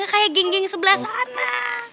gak kayak geng geng sebelah sana